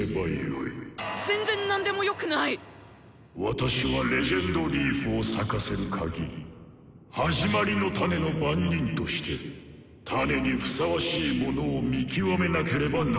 私は「レジェンドリーフ」を咲かせる鍵「始まりのタネ」の番人としてタネにふさわしい者を見極めなければならぬ。